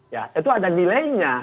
ya itu ada nilainya